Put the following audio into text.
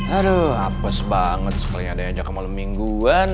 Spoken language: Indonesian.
aduh apes banget sekali ada yang ajak ke malem mingguan